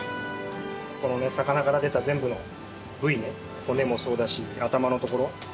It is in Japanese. このね魚から出た全部の部位ね骨もそうだし頭のところ全部入れちゃう。